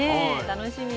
楽しみ。